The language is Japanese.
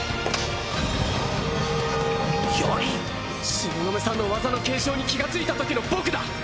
槍⁉東雲さんの技の継承に気が付いたときの僕だ！